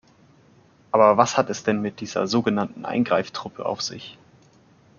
Aber was hat es denn mit dieser so genannten Eingreiftruppe auf sich?